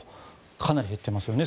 かなり減っていますね。